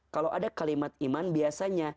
kalau ada kalimat iman biasanya